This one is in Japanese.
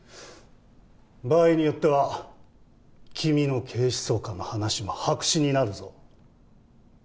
場合によっては君の警視総監の話も白紙になるぞ。